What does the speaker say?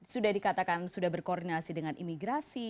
sudah dikatakan sudah berkoordinasi dengan imigrasi